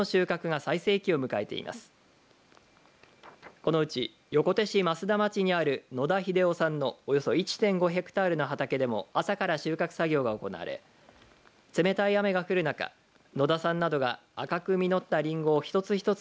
このうち横手市増田町にある野田英夫さんのおよそ１．５ヘクタールの畑でも朝から収穫作業が行われ冷たい雨が降る中野田さんなどが赤く実ったりんごをひとつひとつ